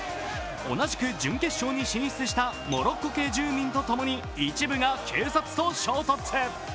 同じく準決勝に進出したモロッコ系住民と共に一部が警察と衝突。